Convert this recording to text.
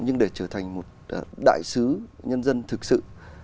nhưng để trở thành một đại sứ nhân dân thực sự